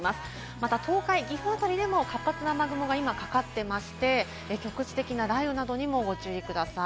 また東海、岐阜辺りでも活発な雨雲が今かかっていまして、局地的な雷雨などにもご注意ください。